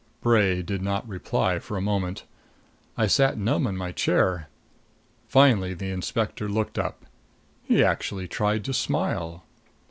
Bray did not reply for a moment. I sat numb in my chair. Finally the inspector looked up. He actually tried to smile.